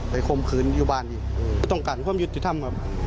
ไปคมขาผมนี่อยู่บ้านนี่ต้องการความยุติธรรมครับ